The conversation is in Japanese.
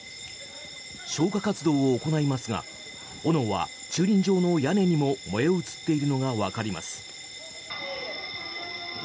消火活動を行いますが炎は駐輪場の屋根にも燃え移っているのがわかります。